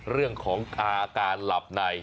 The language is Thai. เรื่องของอาการหลับใน